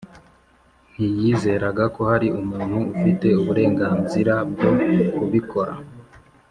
ntiyizeraga ko hari umuntu ufite uburenganzira bwo kubikora.